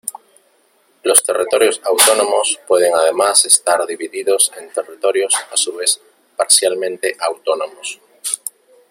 Los territorios autónomos pueden además estar divididos en territorios a su vez parcialmente autónomos.